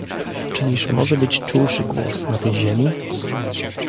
"Czyliż może być czulszy głos na tej ziemi?"